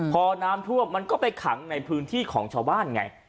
พอน้ำท่วมมันก็ไปขังในพื้นที่ของชาวบ้านไง